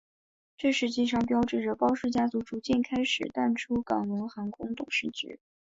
这实际上标志着包氏家族逐渐开始淡出港龙航空董事局。